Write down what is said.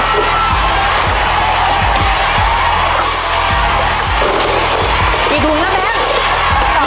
กี่ถุงแล้วแม่ง